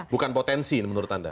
bukan potensi menurut anda